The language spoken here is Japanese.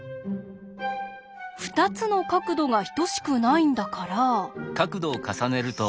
２つの角度が等しくないんだから。